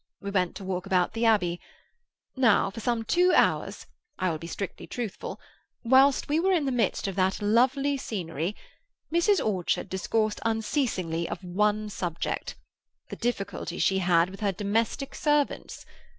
We went to walk about the Abbey. Now, for some two hours—I will be strictly truthful—whilst we were in the midst of that lovely scenery, Mrs. Orchard discoursed unceasingly of one subject—the difficulty she had with her domestic servants.